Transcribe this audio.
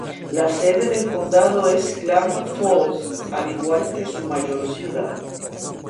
La sede del condado es Klamath Falls, al igual que su mayor ciudad.